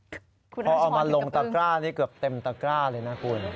คุณเอาชวนอยู่กับปึ้งพอเอามาลงตักร้านี่เกือบเต็มตักร้าเลยนะคุณ